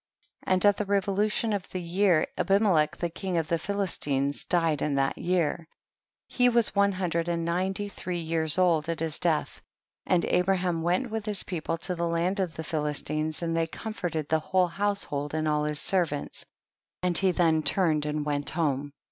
19. And at the revolution of the year Abimelcch king of the Philis tines died in that year ; he was one hundred and ninety three years old at his death ; and Abraham went with his people to the land of the Philistines, and they comforted the whole household and all his servants, and he then turned and went home.